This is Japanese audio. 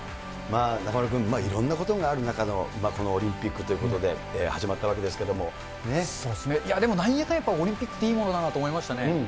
中丸君、いろんなことがある中のこのオリンピックっていうことで始まったそうですね、なんやかんやオリンピックっていいものだなって思いましたね。